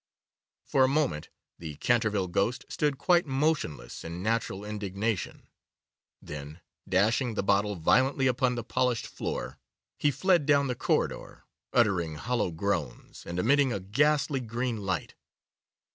For a moment the Canterville ghost stood quite motionless in natural indignation; then, dashing the bottle violently upon the polished floor, he fled down the corridor, uttering hollow groans, and emitting a ghastly green light.